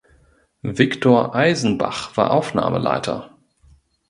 Viktor Eisenbach war Aufnahmeleiter.